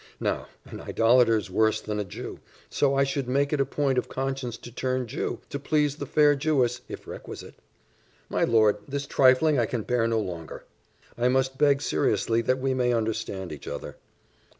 Now, an idolater's worse than a Jew: so I should make it a point of conscience to turn Jew, to please the fair Jewess, if requisite." "My lord, this trifling I can bear no longer; I must beg seriously that we may understand each other."